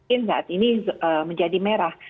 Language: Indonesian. ini saat ini menjadi menyebabkan